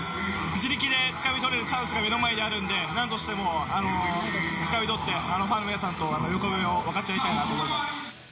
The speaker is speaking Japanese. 自力でつかみ取れるチャンスが目の前にあるんで、なんとしてもつかみ取って、ファンの皆さんと喜びを分かち合いたいなと思います。